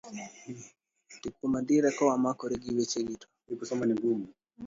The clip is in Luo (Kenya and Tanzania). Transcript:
Kuom adier, ka wamakore gi wechegi, to